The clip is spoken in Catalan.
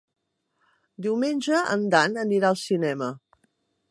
Diumenge en Dan anirà al cinema.